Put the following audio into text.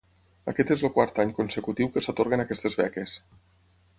Aquest és el quart any consecutiu que s'atorguen aquestes beques.